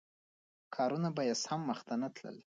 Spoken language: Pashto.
کارونه به یې سم مخته نه تلل.